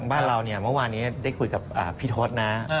บ้านเราเนี่ยเมื่อวานนี้ได้คุยกับพี่ทศนะ